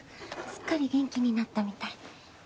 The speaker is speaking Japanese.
すっかり元気になったみたい。